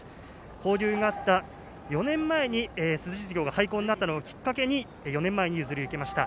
交流があった４年間にその高校が廃校になった時に４年前に譲り受けました。